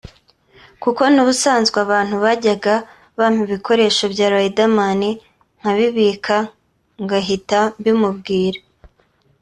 Kuko n’ubusanzwe abantu bajyaga bampa ibikoresho bya Riderman nkabibika ngahita mbimubwira